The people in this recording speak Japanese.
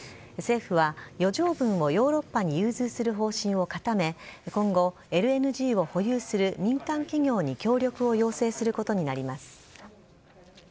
政府は余剰分をヨーロッパに融通する方針を固め、今後、ＬＮＧを保有する民間企業に協力を要請することになります。